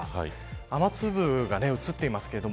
雨粒が映っています。